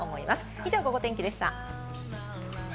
以上、ゴゴ天気でした。